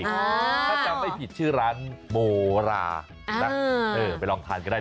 ถ้าจำไม่ผิดชื่อร้านโบรานะเออไปลองทานก็ได้